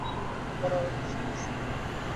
পরে আরবেরা সে ক্রিশ্চানদের মেরে ফেলে।